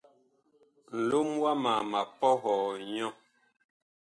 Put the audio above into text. Nlom wama ma pɔhɔɔ nyɔ.